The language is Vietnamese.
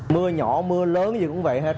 mưa nhỏ mưa lớn gì cũng vậy hết